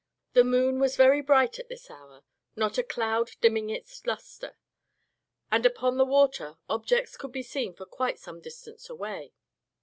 The moon was very bright at this hour, not a cloud dimming its lustre; and upon the water objects could be seen for quite some distance away.